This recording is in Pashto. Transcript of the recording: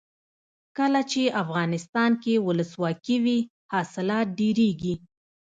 کله چې افغانستان کې ولسواکي وي حاصلات ډیریږي.